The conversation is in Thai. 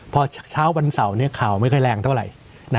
พอเช้าวันเสาร์ข่าวไม่ค่อยแรงเท่าไหร่